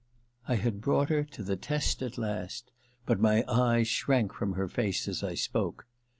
I had brought her to the test at last, but my eyes shrank from her face as I spoke.